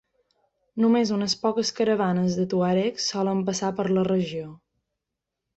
Només unes poques caravanes de tuaregs solen passar per la regió.